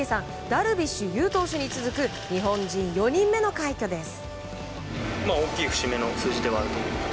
ダルビッシュ有投手に続く日本人４人目の快挙です。